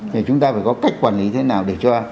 thì chúng ta phải có cách quản lý thế nào để cho